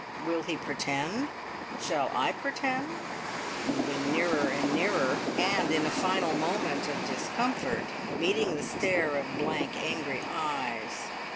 Will he pretend? Shall I pretend?" moving nearer and nearer, and in a final moment of discomfort meeting the stare of blank, angry eyes.